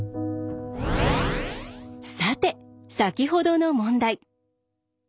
さて先ほどの問題。